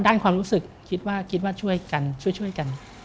ด้านความรู้สึกคิดว่าช่วยกันช่วยกัน